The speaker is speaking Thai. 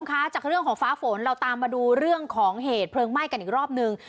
ค่ะจากเรื่องของฟ้าฝนเราตามมาดูเรื่องของเหตุเพลิงไหม้กันอีกรอบนึง